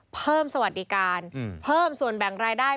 สวัสดิการเพิ่มส่วนแบ่งรายได้